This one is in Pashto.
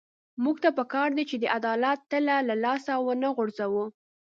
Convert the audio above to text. موږ ته پکار ده چې د عدالت تله له لاسه ونه غورځوو.